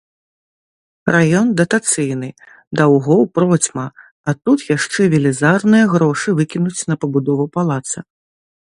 Раён датацыйны, даўгоў процьма, а тут яшчэ велізарныя грошы выкінуць на пабудову палаца.